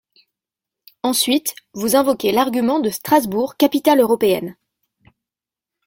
Ensuite, vous invoquez l’argument de Strasbourg capitale européenne.